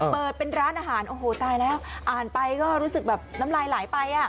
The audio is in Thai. เปิดเป็นร้านอาหารโอ้โหตายแล้วอ่านไปก็รู้สึกแบบน้ำลายไหลไปอ่ะ